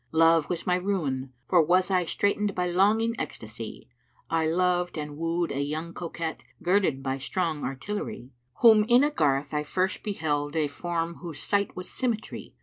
Love was my ruin, for was I * Straitened by longing ecstasy: I loved and woo'd a young coquette * Girded by strong artillery, Whom in a garth I first beheld * A form whose sight was symmetry.